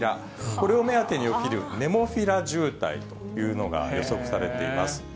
これを目当てに起きるネモフィラ渋滞というのが予測されています。